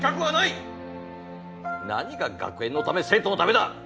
何が学園のため生徒のためだ。